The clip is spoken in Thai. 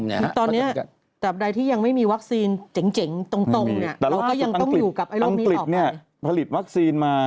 ตอนนี้แต่ใครที่ยังไม่มีวัคซีนเจ๋งตรงนี่